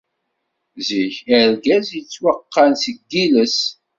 Zik, argaz, yettwaqqan deg yiles.